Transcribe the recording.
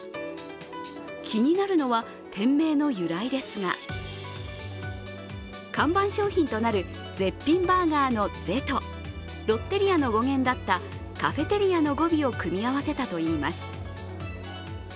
気になるのは、店名の由来ですが看板商品となる絶品バーガーの「ゼ」とロッテリアの語源だったカフェテリアの語尾を組み合わせたといいます。